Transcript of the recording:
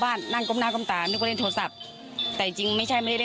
น้องจ้อยนั่งก้มหน้าไม่มีใครรู้ข่าวว่าน้องจ้อยเสียชีวิตไปแล้ว